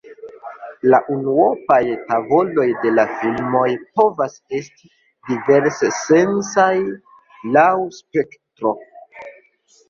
La unuopaj tavoloj de la filmoj povas esti divers-sensaj laŭ spektro.